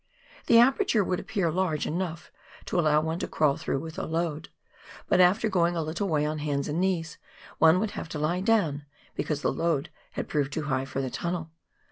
The aperture would appear large enough to allow one to crawl through with a load ; but after going a little way on hands and knees, one would have to lie down, because the load had proved too high for the tunnel.